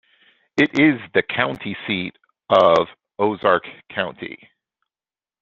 It is the county seat of Ozark County.